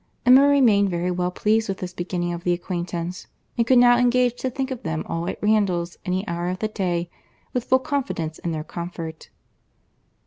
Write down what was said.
Emma remained very well pleased with this beginning of the acquaintance, and could now engage to think of them all at Randalls any hour of the day, with full confidence in their comfort.